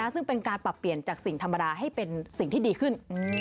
ซึ่งเป็นการปรับเปลี่ยนจากสิ่งธรรมดาให้เป็นสิ่งที่ดีขึ้น